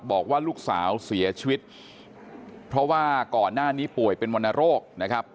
บอกว่าลูกสาวเสียชีวิตเพราะว่าก่อนหน้านี้ป่วยเป็นวรรณโรคนะครับ